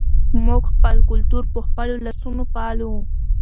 موږ خپل کلتور په خپلو لاسونو پالو.